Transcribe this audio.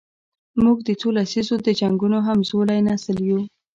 موږ د څو لسیزو د جنګونو همزولی نسل یو.